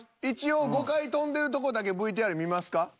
一応５回跳んでるとこだけＶＴＲ見ますか？